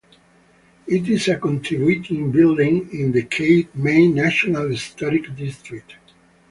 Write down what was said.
It is a contributing building in the Cape May National Historic District.